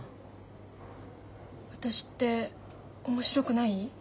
私って面白くない？